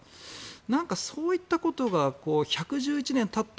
なんか、そういったことが１１１年たった